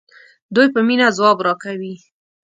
دوی په مینه ځواب راکوي.